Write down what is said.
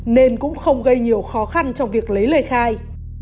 nên cũng không gây nhiều khó khăn trong việc lấy lời khai